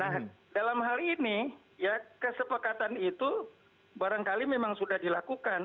nah dalam hal ini ya kesepakatan itu barangkali memang sudah dilakukan